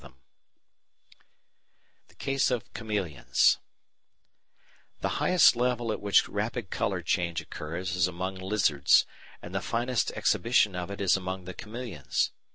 ] The Case of Chameleons The highest level at which rapid colour change occurs is among lizards, and the finest exhibition of it is among the chameleons.